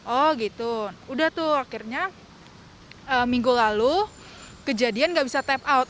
oh gitu udah tuh akhirnya minggu lalu kejadian gak bisa tap out